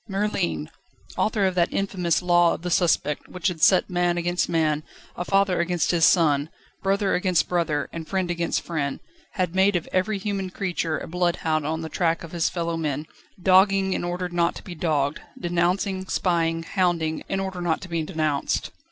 Merlin! Author of that infamous Law of the Suspect which had set man against man, a father against his son, brother against brother, and friend against friend, had made of every human creature a bloodhound on the track of his fellowmen, dogging in order not to be dogged, denouncing, spying, hounding, in order not to be denounced.